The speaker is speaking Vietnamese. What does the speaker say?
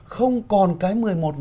không còn cái một mươi một